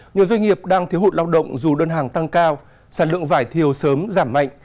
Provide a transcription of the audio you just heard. nhiều doanh nghiệp đang thiếu hụt lao động dù đơn hàng tăng cao sản lượng vải thiều sớm giảm mạnh